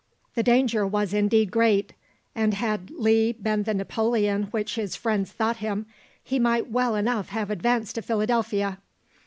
The danger was indeed great, and had Lee been the Napoleon which his friends thought him, he might well enough have advanced to Philadelphia.